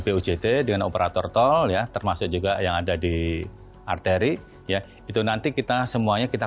pujt dengan operator tol ya termasuk juga yang ada di arteri ya itu nanti kita semuanya kita